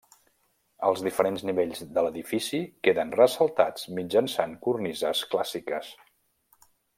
Els diferents nivells de l'edifici queden ressaltats mitjançant cornises clàssiques.